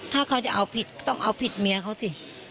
ถ้าเขาจะเอาผิดต้องเอาผิดเมียเขาสิ